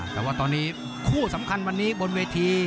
แต่ว่าตอนนี้คู่สำคัญวันนี้บนเวที